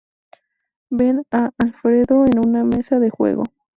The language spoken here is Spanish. Ven a Alfredo en una mesa de juego.